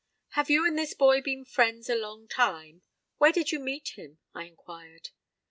"Have you and this boy been friends a long time? Where did you meet him?" I inquired.